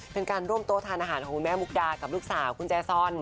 เป็นการร่วมโต๊ะทานอาหารของคุณแม่มุกดากับลูกสาวคุณแจซอน